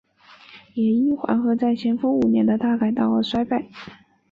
也因黄河在咸丰五年的大改道而衰败。